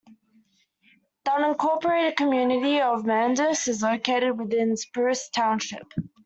The unincorporated community of Mandus is located within Spruce Township.